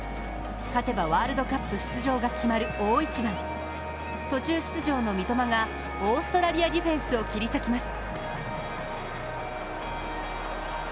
勝てばワールドカップ出場が決まる大一番、途中出場の三笘がオーストラリアディフェンスを切り裂きます。